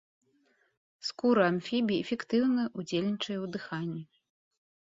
Скуры амфібій эфектыўна ўдзельнічае у дыханні.